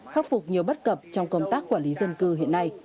khắc phục nhiều bất cập trong công tác quản lý dân cư hiện nay